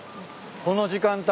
この時間帯。